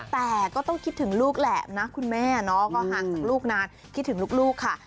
แต่ก็ต้องคิดถึงลูกแหละนะคุณแม่เนาะก็ห่างจากลูกนานคิดถึงลูกค่ะ